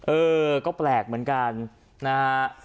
เออก็แปลกเหมือนกันนะฮะ